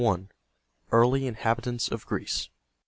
EARLY INHABITANTS OF GREECE.